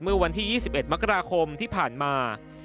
เมื่อวันที่๒๑มกราคมที่ผ่านมา